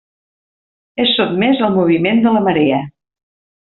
És sotmés al moviment de la marea.